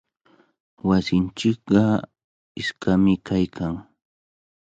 Wasinchikqa iskami kaykan.